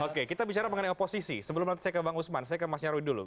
oke kita bicara mengenai oposisi sebelum nanti saya ke bang usman saya ke mas nyarwi dulu